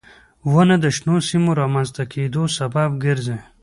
• ونه د شنو سیمو رامنځته کېدو سبب ګرځي.